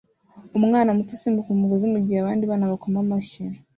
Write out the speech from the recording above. Umwana muto usimbuka umugozi mugihe abandi bana bakoma amashyi